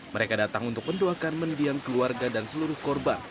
mereka datang untuk mendoakan mendiang keluarga dan seluruh korban